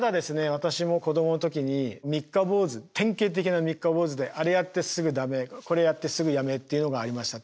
私も子供の時に三日坊主典型的な三日坊主であれやってすぐ駄目これやってすぐやめっていうのがありました。